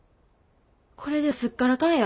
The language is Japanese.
これですっからかんや。